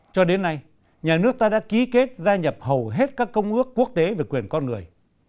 cho đến nay nhà nước ta đã ký kết gia nhập hầu hết các công ước quốc tế về quyền con người